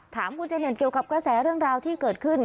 ถามคุณเจเน่นเกี่ยวกับกระแสเรื่องราวที่เกิดขึ้น